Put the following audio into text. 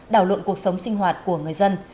đảo luận cuộc sống sinh hoạt của người dân